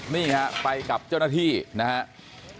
นี่ฮะไปกับเจ้าหน้าที่นะครับ